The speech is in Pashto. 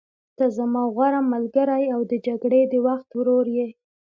ته زما غوره ملګری او د جګړې د وخت ورور یې.